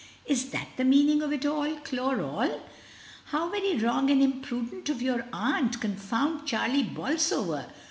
"Is that the meaning of it all? Chloral! How very wrong and imprudent of your aunt. Confound Charlie Bolsover!